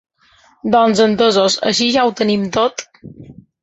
Doncs entesos, així ja ho tenim tot?